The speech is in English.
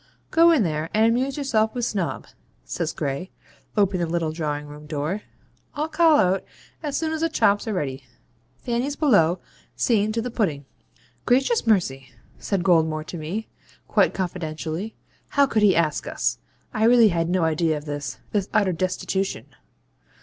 'Go in there, and amuse yourself with Snob,' says Gray, opening the little drawing room door. 'I'll call out as soon as the chops are ready. Fanny's below, seeing to the pudding.' 'Gracious mercy!' says Goldmore to me, quite confidentially, 'how could he ask us? I really had no idea of this this utter destitution.'